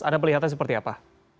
ada pelihatan seperti apa